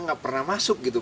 gak pernah masuk gitu